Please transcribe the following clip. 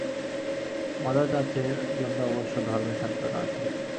Mother চার্চের জন্য অবশ্য ধর্মের সান্ত্বনা আছে।